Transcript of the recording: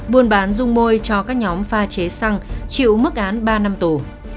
buôn bán dung môi cho các nhóm pha chế xăng chịu mức án ba năm tù